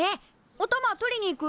おたま取りに行く？